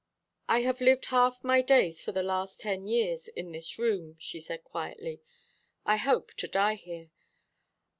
"I have lived half my days for the last ten years in this room," she said quietly. "I hope to die here.